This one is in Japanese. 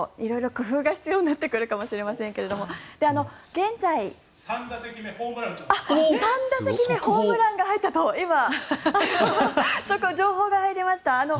色々工夫が必要になってくるかもしれませんが３打席目、ホームランが入ったと今、情報が入りました。